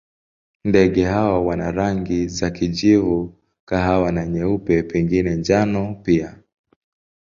Ndege hawa wana rangi za kijivu, kahawa na nyeupe, pengine njano pia.